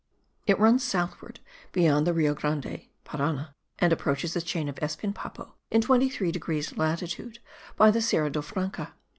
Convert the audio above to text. It runs southward beyond the Rio Grande (Parana), and approaches the chain of Espinpapo in 23 degrees latitude, by the Serra do Franca.